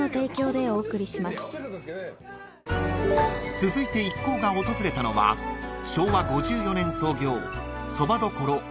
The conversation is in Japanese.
［続いて一行が訪れたのは昭和５４年創業］